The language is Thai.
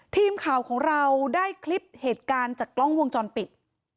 ทีมข่าวของเราได้คลิปเหตุการณ์จากกล้องวงจรปิด